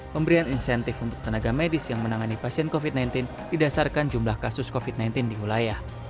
pemberian insentif untuk tenaga medis yang menangani pasien covid sembilan belas didasarkan jumlah kasus covid sembilan belas di wilayah